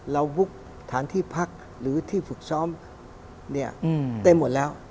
วุกฐานที่พักหรือที่ฝึกซ้อมเต็มหมดแล้ว